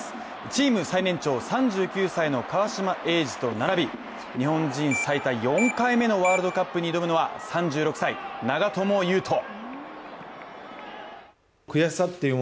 チーム最年長、３９歳の川島永嗣と並び日本人最多４回目のワールドカップに挑むのは３６歳、長友佑都。